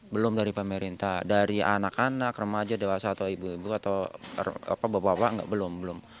belum dari pemerintah dari anak anak remaja dewasa atau ibu ibu atau bapak bapak belum belum